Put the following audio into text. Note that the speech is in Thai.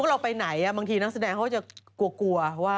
เราไปไหนบางทีนักแสดงเขาก็จะกลัวว่า